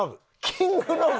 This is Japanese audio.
「キングノブ」？